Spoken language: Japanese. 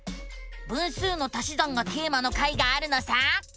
「分数の足し算」がテーマの回があるのさ！